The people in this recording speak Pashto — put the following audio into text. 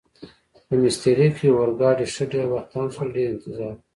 په میسترې کې اورګاډي ښه ډېر وخت تم شول، ډېر انتظار و.